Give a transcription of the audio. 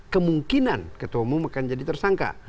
kemungkinan ketua umum akan jadi tersangka